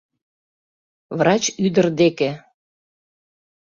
– Врач ӱдыр деке!